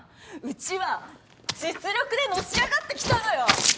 うちは実力でのし上がってきたのよ。